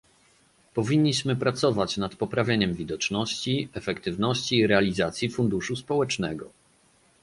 Powinniśmy pracować nad poprawieniem widoczności, efektywności i realizacji Funduszu Społecznego